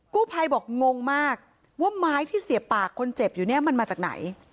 กู้ภัยบอกงงมากว่าไม้ที่เสียบปากคนเจ็บอยู่เนี่ยมันมาจากไหน